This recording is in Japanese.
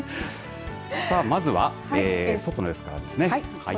さあまずは外の様子からですね。